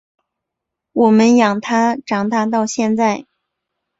我们养他长大到现在